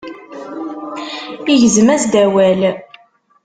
Igzem-as-d awal.